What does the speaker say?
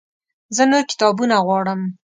زه نور کتابونه غواړم